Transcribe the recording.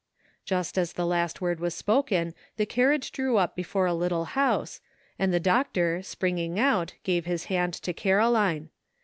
Just as the last word was spoken the carriage drew up before a little house, and the doctor, springing out, gave his hand to Caroline.